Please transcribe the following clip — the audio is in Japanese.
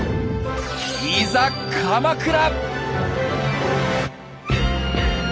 いざ鎌倉！